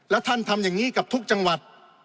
แล้วท่านทำอย่างนี้กับทุกจังหวัด